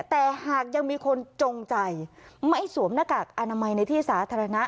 แต่หากยังมีคนจงใจไม่สวมหน้ากากอนามัยในที่สาธารณะ